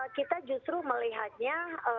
kita justru melihatnya